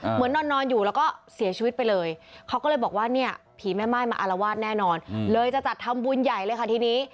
นอนอยู่แล้วก็เสียชีวิตไปเลยเขาก็เลยบอกว่าเนี่ยผีแม่ม่ายมาอารวาสแน่นอนเลยจะจัดทำบุญใหญ่เลยค่ะทีนี้